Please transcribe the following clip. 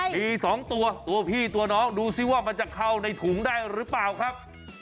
มี๒ตัวตัวพี่ตัวน้องดูสิว่ามันจะเข้าในถุงได้หรือเปล่าครับ